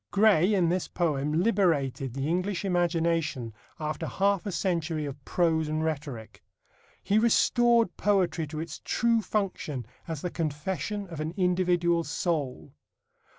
Gray in this poem liberated the English imagination after half a century of prose and rhetoric. He restored poetry to its true function as the confession of an individual soul.